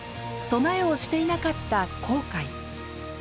備えをしていなかった後悔。